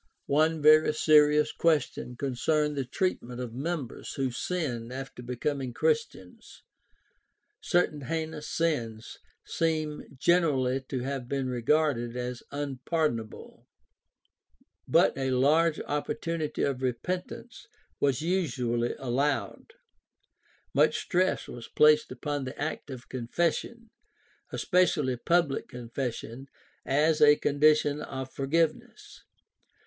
One very serious question concerned the treatment of members who sinned after becoming Christians. Certain heinous sins seem generally to have been regarded as unpardon able (Mark 3 : 29 f. ; Heb. 6:4 £f.; Did. 11:7; I John 5: 16 f.), but a large opportunity for repentance was usually allowed (Rev. 2:21 f.; John 7:53 — 8:11). Much stress was placed upon the act of confession, especially public confession, as a condition of forgiveness.